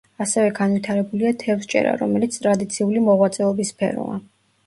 ასევე განვითარებულია თევზჭერა, რომელიც ტრადიციული მოღვაწეობის სფეროა.